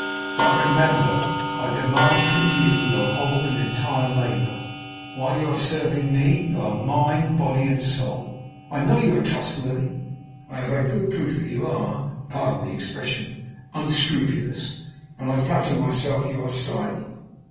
"But, remember, I demand from you your whole and entire labour. While you are serving me you are mine body and soul. I know you are trustworthy. I have had good proof that you are pardon the expression unscrupulous, and I flatter myself you are silent.